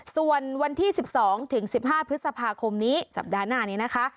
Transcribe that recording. ส่วนวันที่๑๒ถึง๑๕พฤษภาคมนี้สัปดาห์หน้านี้นะคะ